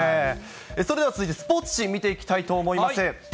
それでは続いてスポーツ紙、見ていきたいと思います。